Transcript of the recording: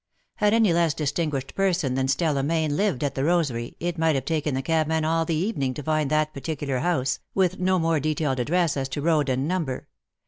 Had any less distinguished person than Stella Mayne lived at the Rosary it might have taken the cabman all the evening to find that particular house, with no more detailed address as to road and number.